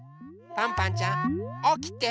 パンパンちゃんおきて。